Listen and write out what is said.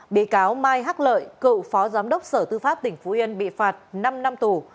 bị cáo mai hắc lợi cựu phó giám đốc sở tư pháp tỉnh phú yên bị phạt năm năm tù